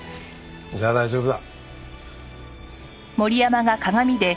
じゃあ大丈夫だ。